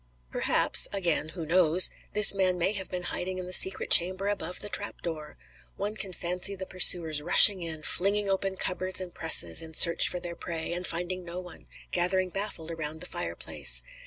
Perhaps again, who knows? this man may have been hiding in the secret chamber above the trap door. One can fancy the pursuers rushing in, flinging open cupboards and presses, in search for their prey; and finding no one, gathering baffled around the fireplace.